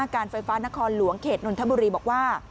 การไฟฟ้านครหลวงเขตนนทบุรีบอกว่า